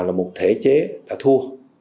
là một thể chế đã thua